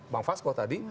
bang fasko tadi